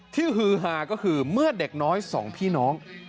ฮือฮาก็คือเมื่อเด็กน้อยสองพี่น้อง